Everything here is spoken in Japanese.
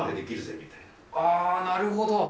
なるほど。